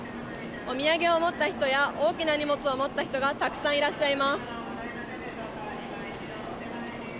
お土産を持った人や大きな荷物を持った人がたくさんいらっしゃいます。